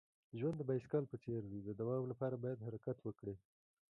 ژوند د بایسکل په څیر دی. د دوام لپاره باید حرکت وکړې.